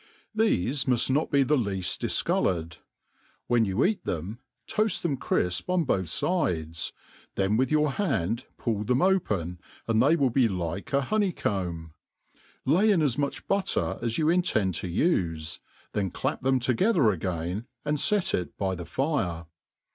Tbefe muft not be theleail difcoloured. When you eat them, toaft them crifp on both fides, then with your hand pull them open, and they will be like a honeycomb ; lay in as much butter as you intend to ufe, then clap them together again, and fet it by the fire.